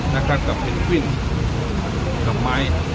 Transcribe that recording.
นะครับกับเพนกวินกับไม้